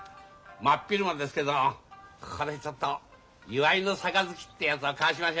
真っ昼間ですけどもここでちょっと祝いの杯ってやつを交わしましょうや。